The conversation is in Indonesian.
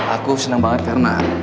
aku senang banget karena